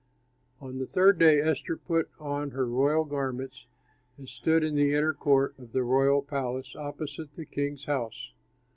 On the third day, Esther put on her royal garments and stood in the inner court of the royal palace opposite the king's house.